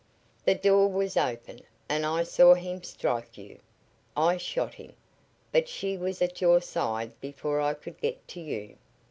The door was open, and I saw him strike you. I shot him, but she was at your side before I could get to you.